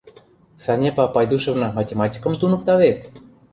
— Санепа Пайдушевна математикым туныкта вет?